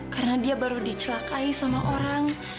karena dia baru dicelakai sama orang